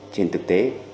trên thực tế